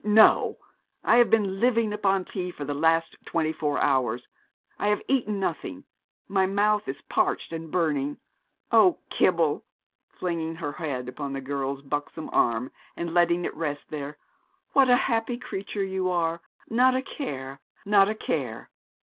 no. I have been living upon tea for the last twenty four hours. I have eaten nothing. My mouth is parched and burning. Oh, Kibble!' flinging her head upon the girl's buxom arm, and letting it rest there, 'what a happy creature you are not a care not a care.'